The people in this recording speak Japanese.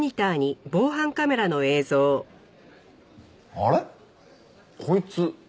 あれ？こいつ。